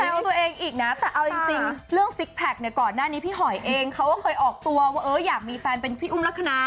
แต่เอาตัวเองอีกนะแต่เอาจริงเรื่องสิคแพคก่อนหน้านี้พี่หอยเองเขาเคยออกตัวว่าอยากมีแฟนเป็นพี่อุ้มรักคณา